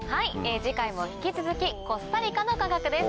次回も引き続きコスタリカの科学です。